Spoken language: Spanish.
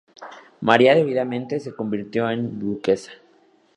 María debidamente se convirtió en duquesa.